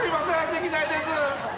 できないです。